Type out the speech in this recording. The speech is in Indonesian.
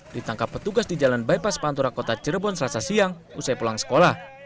ditangkap petugas di jalan bypass pantura kota cirebon selasa siang usai pulang sekolah